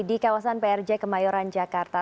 di kawasan prj kemayoran jakarta